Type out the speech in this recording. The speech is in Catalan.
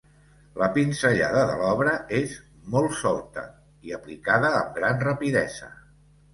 La pinzellada de l'obra és molt solta i aplicada amb gran rapidesa.